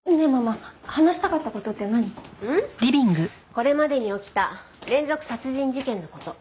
これまでに起きた連続殺人事件の事。